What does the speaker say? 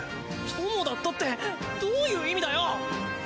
友だったってどういう意味だよ？